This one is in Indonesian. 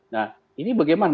nah ini bagaimana